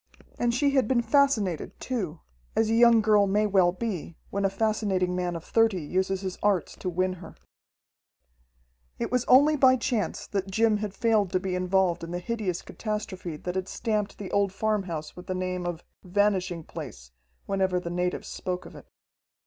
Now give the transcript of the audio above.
And she had been fascinated too, as a young girl may well be, when a fascinating man of thirty uses his arts to win her. It was only by chance that Jim had failed to be involved in the hideous catastrophe that had stamped the old farmhouse with the name of "Vanishing Place" whenever the natives spoke of it.